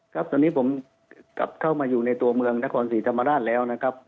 ครับตอนนี้ผมกลับเข้ามาอยู่ในตัวเมืองนครศรีธรรมราชแล้วนะครับ